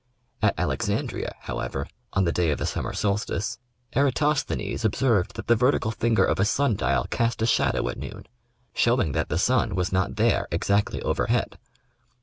At Alexandria, however, on the day of the summer solstice, Eratosthenes observed that the vertical finger of a sun dial cast a shadow at noon, showing that the sun was not there exactly overhead.